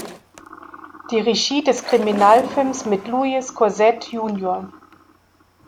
Die Regie des Kriminalfilms mit Louis Gossett Jr.